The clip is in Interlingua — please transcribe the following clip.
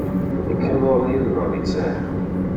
E que vole illo dicer?